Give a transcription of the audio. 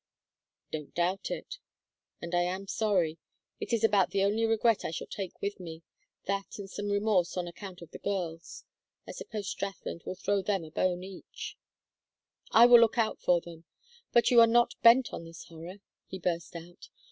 "Don't doubt it. And I am sorry it is about the only regret I shall take with me, that and some remorse on account of the girls. I suppose Strathland will throw them a bone each " "I will look out for them. But you are not bent on this horror!" he burst out.